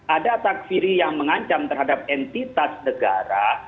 ada takfiri yang mengancam terhadap entitas negara